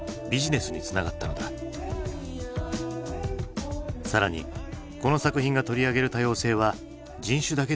更にこの作品が取り上げる多様性は人種だけではないという。